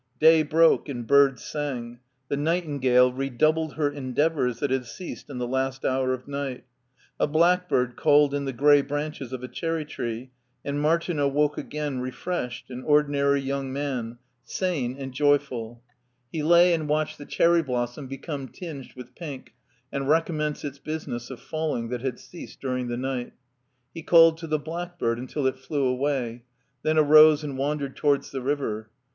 Day broke and birds sang; the nightin gale redoubled her endeavors that had ceased in the last hour of night, a blackbird called in the gray branches of a cherry tree, and Martin awoke again refreshed, an ordinary young man, sane and joyful. 38 MARTIN SCHULER He lay and watched the qherry blossom become tinged with pink and recommence its business of falling that had ceased during the night. He called to the black bird until it flew away, then arose and wandered to wards the river.